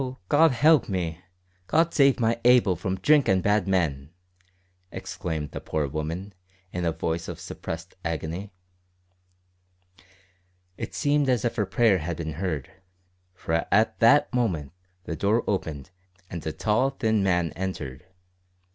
God help me! God save my Abel from drink and bad men!" exclaimed the poor woman, in a voice of suppressed agony. It seemed as if her prayer had been heard, for at that moment the door opened and a tall thin man entered.